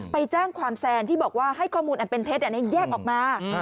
ไปแจ้งความแซนที่บอกว่าให้ข้อมูลอันเป็นเท็จอันนี้แยกออกมา